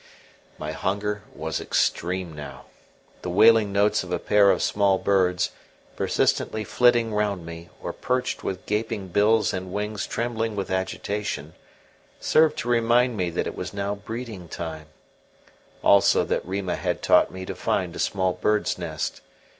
My hunger was extreme now. The wailing notes of a pair of small birds, persistently flitting round me, or perched with gaping bills and wings trembling with agitation, served to remind me that it was now breeding time; also that Rima had taught me to find a small bird's nest.